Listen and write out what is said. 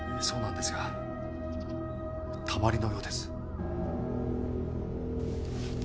そうなんですがたまりのようです。